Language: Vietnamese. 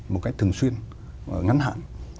một cách thường xuyên ngắn hạn